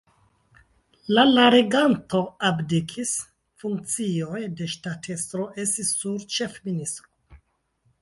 La la regento abdikis, funkcioj de ŝtatestro estis sur ĉefministro.